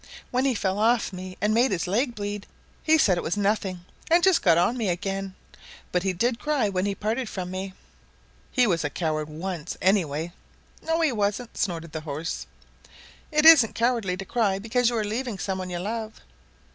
When he fell off me and made his leg bleed he said it was nothing, and just got on me again. But he did cry when he parted from me." "Well, he was a coward once, anyway." "No, he wasn't," snorted the horse. "It isn't cowardly to cry because you are leaving some one you love."